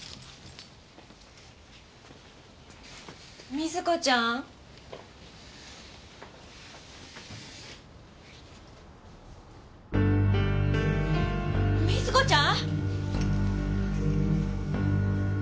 瑞子ちゃん？瑞子ちゃん！？